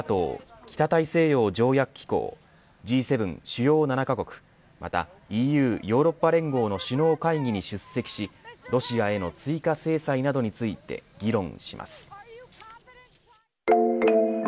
北大西洋条約機構Ｇ７主要７カ国、またＥＵヨーロッパ連合の首脳会議に出席しロシアへの追加制裁などについて議論します。